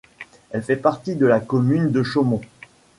Elle fait partie de la commune de Chaumont.